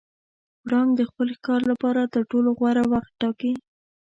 پړانګ د خپل ښکار لپاره تر ټولو غوره وخت ټاکي.